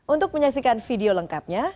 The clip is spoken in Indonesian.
untuk menyaksikan video lainnya